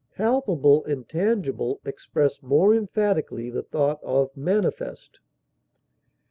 Palpable and tangible express more emphatically the thought of manifest.